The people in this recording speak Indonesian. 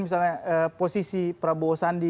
misalnya posisi prabowo sandi